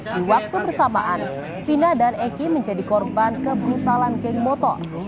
di waktu bersamaan vina dan eki menjadi korban kebrutalan geng motor